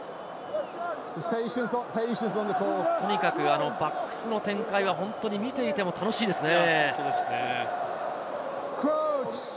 とにかくバックスの展開が本当に見ていても楽しいですね。